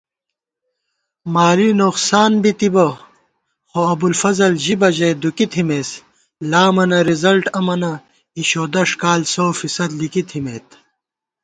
مالی نوخسانبِتِبہ خو ابُوالفضل ژِبہ ژَئی دُکی تھِمېت * لامَنہ رِزلٹ اَمَنہ اِݭودش کال سوفیصد لِکی تھِمېت